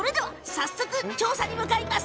調査に向かいます。